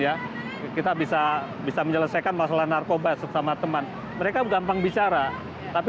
ya kita bisa bisa menyelesaikan masalah narkoba sesama teman mereka gampang bicara tapi